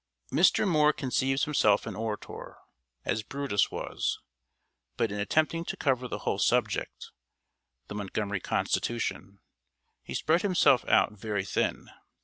] Mr. Moore conceives himself an orator, as Brutus was; but in attempting to cover the whole subject (the Montgomery Constitution), he spread himself out "very thin."